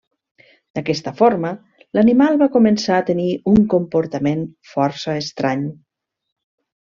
D'aquesta forma, l'animal va començar a tenir un comportament força estrany.